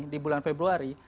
di bulan februari